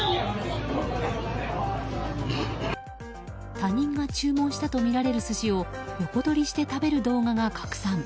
他人が注文したとみられる寿司を横取りして食べる動画が拡散。